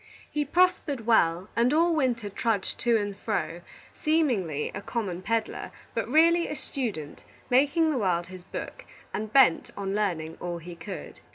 He prospered well, and all winter trudged to and fro, seemingly a common peddler, but really a student, making the world his book, and bent on learning all he could.